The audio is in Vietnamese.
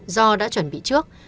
do đã chuẩn bị trước